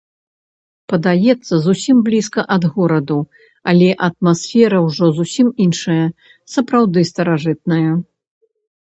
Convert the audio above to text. Падаецца, зусім блізка ад гораду, але атмасфера ўжо зусім іншая, сапраўды старажытная!